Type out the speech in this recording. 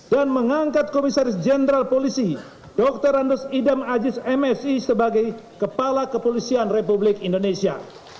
dan mengangkat komisaris jenderal polisi dr andos idam ajis msi sebagai kepala kepolisian republik indonesia